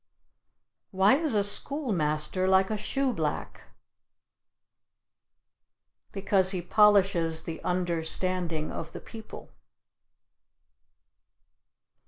Why is a schoolmaster like a shoe black? Because he polishes the understanding of the people.